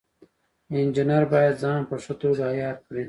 انجینر باید ځان په ښه توګه عیار کړي.